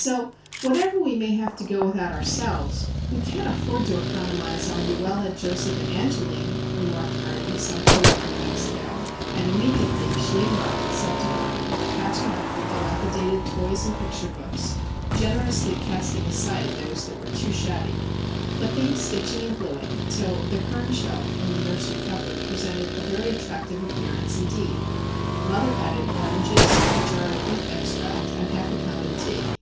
"So whatever we may have to go without ourselves, we can't afford to economise on Luella, Joseph, and Angeline," remarked Ernie some two or three weeks ago. And immediately she and Robin set to work patching up their dilapidated toys and picture books, generously casting aside those that were "too shabby," clipping, stitching, and gluing, till "the Kern shelf" in the nursery cupboard presented a very attractive appearance, indeed. Mother added oranges, a jar of beef extract, and half a pound of tea.